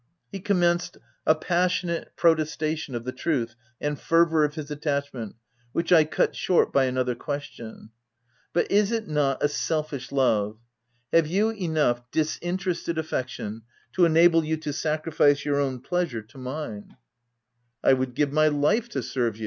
He commenced a passionate protestation of the truth and fervour of his attachment which I cut short by another question :—" But is it not a selfish love ?— have you enough disinterested affection to enable you to sacrifice your own pleasure to mine ?" R 2 364 THE TENANT u 1 would give my life to serve you."